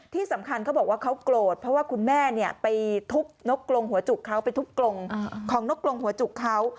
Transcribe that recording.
ที่สำคัญเขาบอกว่าเขากลดเพราะว่าคุณแม่ไปทุบนกกรงหัวจุกเขา